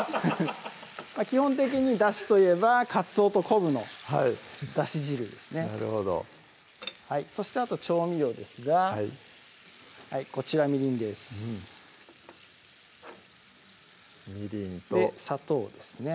基本的にだしといえばかつおと昆布のだし汁ですねなるほどそしてあと調味料ですがこちらみりんですみりんと砂糖ですね